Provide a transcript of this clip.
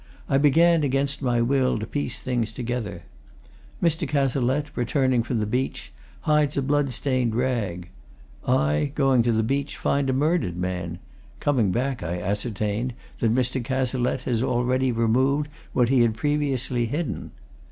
I began, against my will, to piece things together. Mr. Cazalette, returning from the beach, hides a blood stained rag I, going to the beach, find a murdered man coming back, I ascertain that Mr. Cazalette has already removed what he had previously hidden.